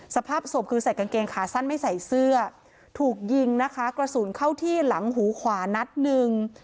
สภาพศพคือใส่กางเกงขาสั้นไม่ใส่เสื้อถูกยิงนะคะกระสุนเข้าที่หลังหูขวานัดหนึ่ง